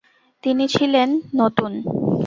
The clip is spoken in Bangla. তিনি ছিলেন নতুন।